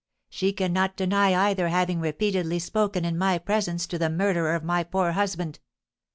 She cannot deny either having repeatedly spoken in my presence to the murderer of my poor husband.